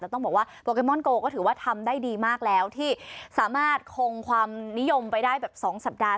แต่ต้องบอกว่าโปเกมอนโกก็ถือว่าทำได้ดีมากแล้วที่สามารถคงความนิยมไปได้แบบ๒สัปดาห์